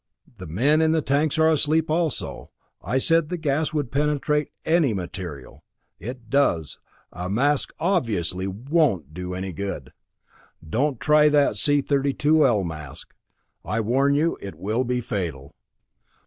The men in the tanks are asleep also I said the gas would penetrate any material. It does. A mask obviously won't do any good. Don't try that C 32L mask. I warn you it will be fatal.